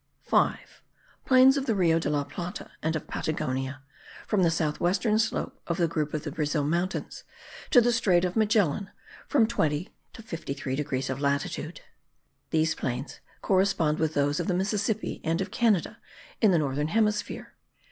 5. PLAINS OF THE RIO DE LA PLATA, AND OF PATAGONIA, FROM THE SOUTH WESTERN SLOPE OF THE GROUP OF THE BRAZIL MOUNTAINS TO THE STRAIT OF MAGELLAN; FROM 20 TO 53 DEGREES OF LATITUDE. These plains correspond with those of the Mississippi and of Canada in the northern hemisphere.